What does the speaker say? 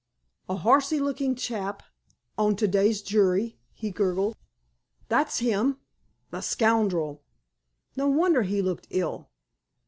"A horsey looking chap, on to day's jury," he gurgled. "That's him!" "The scoundrel!" "No wonder he looked ill."